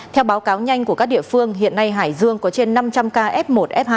theo báo cáo nhanh của các địa phương hiện nay hải dương có trên năm trăm linh ca f một f hai